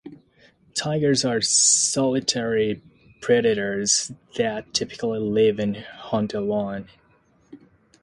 Tigers are solitary predators that typically live and hunt alone.